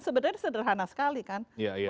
sebenarnya sederhana sekali kan